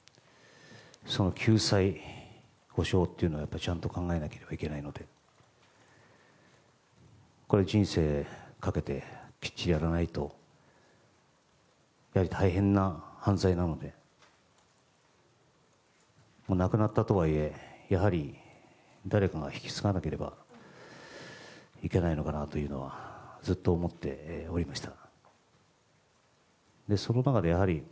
その救済・補償というのはちゃんと考えなければいけないので人生をかけてきっちりやらないとやはり大変な犯罪なので亡くなったとはいえやはり誰かが引き継がなければいけないのかなというのはずっと思っておりました。